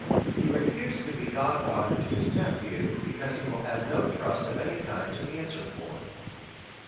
He re fused to be godfather to his nephew, because he will have no trust of any kind to answer for.